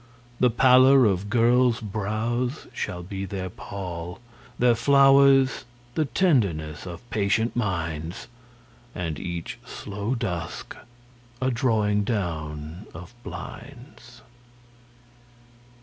The pallor of girls' brows shall be their pall; Their flowers the tenderness of patient minds, And each slow dusk a drawing down of blinds.